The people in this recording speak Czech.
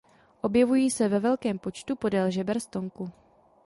Objevují se ve velkém počtu podél žeber stonku.